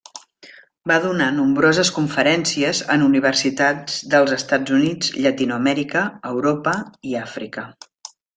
Va donar nombroses conferències en universitats dels Estats Units, Llatinoamèrica, Europa i Àfrica.